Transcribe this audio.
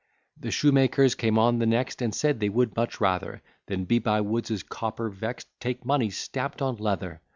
The shoemakers came on the next, And said they would much rather, Than be by Wood's copper vext, Take money stampt on leather.